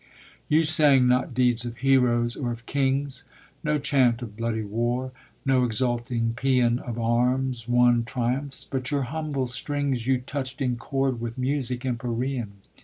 You sang not deeds of heroes or of kings; No chant of bloody war, no exulting pean Of arms won triumphs; but your humble strings You touched in chord with music empyrean.